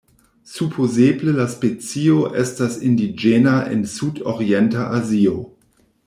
Supozeble la specio estas indiĝena en sud-orienta Azio.